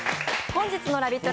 本日のラヴィット！